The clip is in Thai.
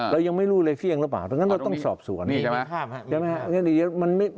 เรายังไม่รู้เลยเฟี่ยงหรือเปล่าดังนั้นเราต้องสอบส่วน